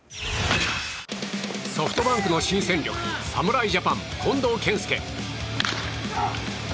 ソフトバンクの新戦力侍ジャパン、近藤健介。